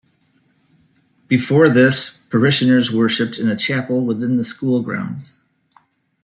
Before this, parishioners worshipped in a chapel within the school grounds.